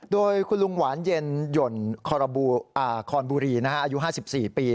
โดยคุณลุงหวานเย็นหย่นคอนบุรีอายุ๕๔ปี